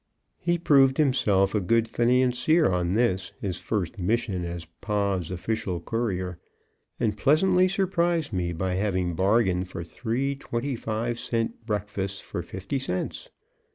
He proved himself a good financier on this, his first, mission as Pod's official courier, and pleasantly surprised me by having bargained for three twenty five cent breakfasts for fifty cents.